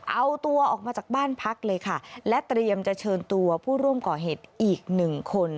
เอาตัวออกมาจากบ้านพักเลยค่ะและเตรียมจะเชิญตัวผู้ร่วมก่อเหตุอีกหนึ่งคน